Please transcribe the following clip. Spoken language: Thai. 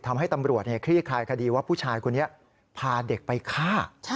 ทำให้ตำรวจคลี่คลายคดีว่าผู้ชายคนนี้พาเด็กไปฆ่า